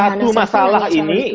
satu masalah ini